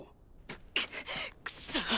くっクソ。